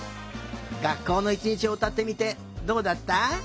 がっこうのいちにちをうたってみてどうだった？